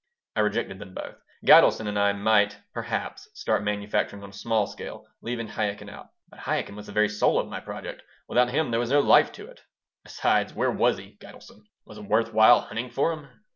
I rejected them both. Gitelson and I might, perhaps, start manufacturing on a small scale, leaving Chaikin out. But Chaikin was the very soul of my project. Without him there was no life to it. Besides, where was he, Gitelson? Was it worth while hunting for him?